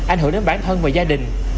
ảnh hưởng đến bản thân và gia đình